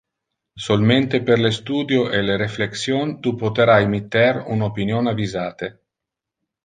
Solmente per le studio e le reflexion tu potera emitter un opinion avisate.